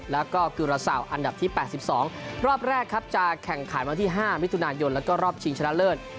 แล้วก็กุระเสาอันดับที่๘๒รอบแรกครับจะแข่งขันวันที่๕มิถุนายนแล้วก็รอบชิงชนะเลิศ